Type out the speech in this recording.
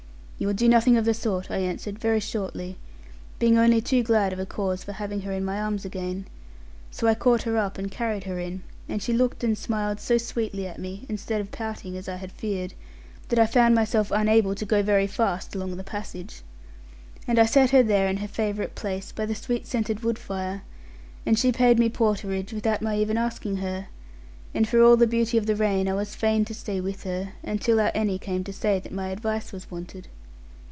'You will do nothing of the sort,' I answered very shortly, being only too glad of a cause for having her in my arms again. So I caught her up, and carried her in; and she looked and smiled so sweetly at me instead of pouting (as I had feared) that I found myself unable to go very fast along the passage. And I set her there in her favourite place, by the sweet scented wood fire; and she paid me porterage without my even asking her; and for all the beauty of the rain, I was fain to stay with her; until our Annie came to say that my advice was wanted.